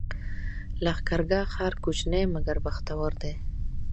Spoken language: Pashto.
لښکرګاه ښار کوچنی مګر بختور دی